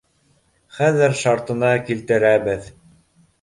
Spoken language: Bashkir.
Хәҙер шартына килтерәбеҙ.